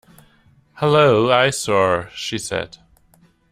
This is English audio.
"Hullo, eyesore," she said.